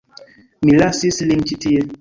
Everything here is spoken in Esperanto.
Mi lasis lin ĉi tie.